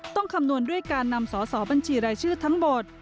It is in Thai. ต้องคำนวนด้วยการนำสอบัญชีรายชื่อทั้งบท